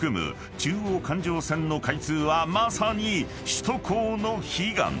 中央環状線の開通はまさに首都高の悲願］